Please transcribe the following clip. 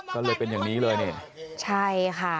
ก็เลยเป็นอย่างนี้เลยนี่ใช่ค่ะ